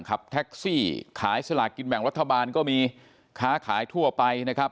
ขับแท็กซี่ขายสลากกินแบ่งรัฐบาลก็มีค้าขายทั่วไปนะครับ